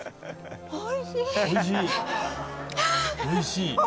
おいしい！